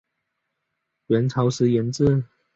元朝时沿置。